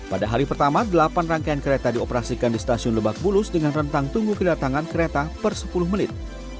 pada hari pertama delapan rangkaian kereta dioperasikan di stasiun lebak bulus dengan rentang tunggu kedatangan kereta per sepuluh menit